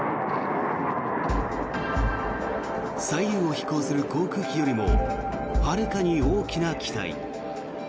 左右を飛行する航空機よりもはるかに大きな機体。